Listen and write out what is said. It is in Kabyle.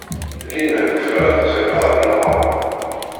Limer ufiɣ ad qqimeɣ ad nnaɣeɣ.